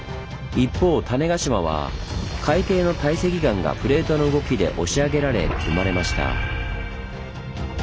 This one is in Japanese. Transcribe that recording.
一方種子島は海底の堆積岩がプレートの動きで押し上げられ生まれました。